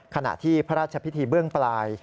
ขณะที่พระราชพิธีเบื้องปลาย